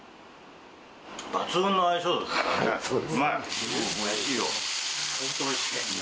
抜群の相性ですね。